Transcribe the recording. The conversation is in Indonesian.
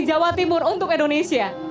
jawa timur untuk indonesia